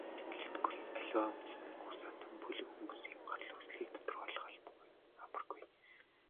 Монголчууд гэлтгүй, аливаа үндэстэн угсаатан, бүлэг хүмүүсийн гарал үүслийг тодорхойлох амаргүй.